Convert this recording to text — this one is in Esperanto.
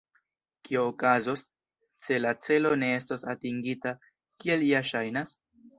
Kio okazos, se la celo ne estos atingita, kiel ja ŝajnas?